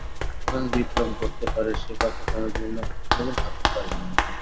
এমন বিপ্লব ঘটতে পারে সে-কথা কোনোদিন ভাবতে পারি নি।